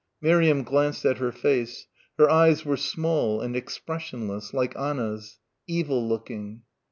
Miriam glanced at her face her eyes were small and expressionless, like Anna's ... evil looking.